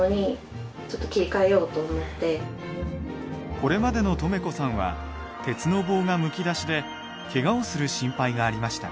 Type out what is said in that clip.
これまでのとめこさんは鉄の棒がむき出しでケガをする心配がありました。